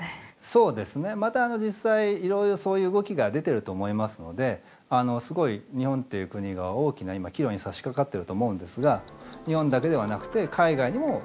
また実際いろいろそういう動きが出てると思いますのですごい日本という国が大きな今岐路にさしかかってると思うんですが日本だけではなくて海外にも目を向ける。